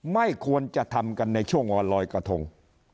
ไม่ควรจะทำกันในช่วงวันลอยกระทง